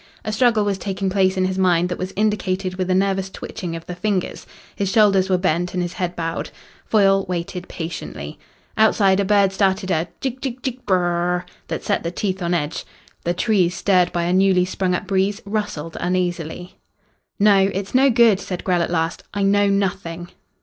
A struggle was taking place in his mind that was indicated with a nervous twitching of the fingers. His shoulders were bent and his head bowed. Foyle waited patiently. Outside a bird started a "jig jig jig br brr" that set the teeth on edge. The trees, stirred by a newly sprung up breeze, rustled uneasily. "No, it's no good," said Grell at last. "I know nothing."